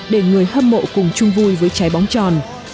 để người hâm mộ cùng chung vui với trái bóng tròn